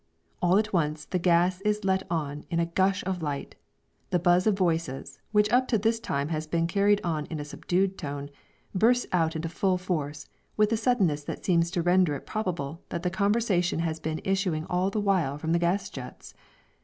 All at once the gas is let on in a gush of light, the buzz of voices, which up to this time has been carried on in a subdued tone, bursts out into full force, with a suddenness that seems to render it probable that the conversation has been issuing all the while from the gas jets.